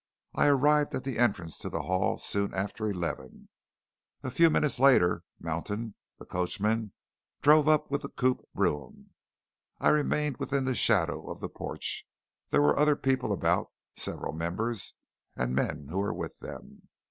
I arrived at the entrance to the Hall soon after eleven. A few minutes later Mountain, the coachman, drove up with the coupé brougham. I remained within the shadow of the porch there were other people about several Members, and men who were with them.